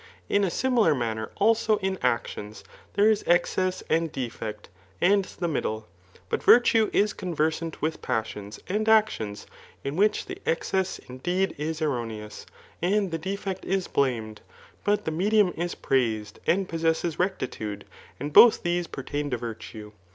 In:a ^jknSar manner also in actbns, there is excess and defect, ^aA the noddle ; but virtue is conversant with passioms ;iadiiCtions, in whi(^ the excess indeed |$ erroneous and ibe 4^ect IB bl^medy imt the medium js praised and pba^ ^Mleft:rect3Ciide:;and both (hese pertain to virtue.